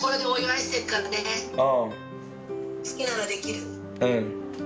すけならできる。